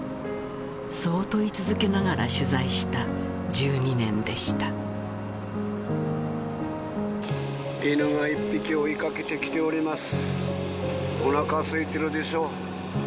そう問い続けながら取材した１２年でした犬が１匹追いかけてきております